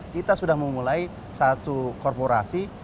kita sudah memulai satu korporasi